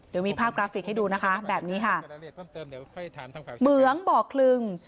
เดี๋ยวมีภาพกราฟิกให้ดูนะคะแบบนี้ค่ะเหมืองบ่อคลึง